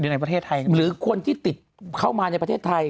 ในประเทศไทยหรือคนที่ติดเข้ามาในประเทศไทย